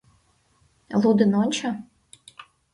— Лудын ончо.